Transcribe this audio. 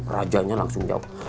rajanya langsung jawab